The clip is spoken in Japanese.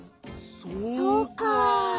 そうか。